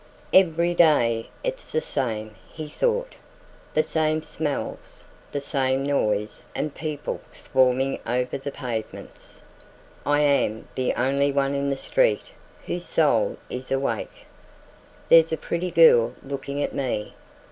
"Every day it's the same," he thought; "the same smells, the same noise and people swarming over the pavements. I am the only one in the street whose soul is awake. There's a pretty girl looking at me.